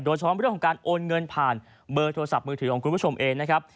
โดยเฉพาะเรื่องของการโอนเงินผ่านเบอร์โทรศัพท์มือถือของคุณผู้ชมเองนะครับ